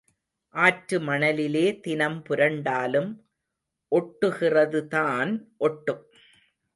ஆற்று மணலிலே தினம் புரண்டாலும் ஒட்டுகிறதுதான் ஒட்டும்.